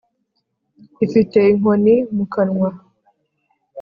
ifite inkoni mu kanwa,